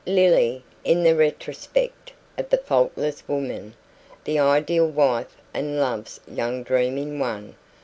Lily in the retrospect was the faultless woman the ideal wife and love's young dream in one.